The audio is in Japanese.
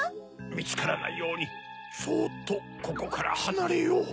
みつからないようにそっとここからはなれよう。